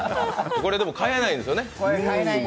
これ買えないんですよね。